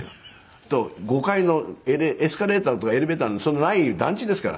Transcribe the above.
すると５階のエスカレーターとかエレベーターそんなない団地ですから。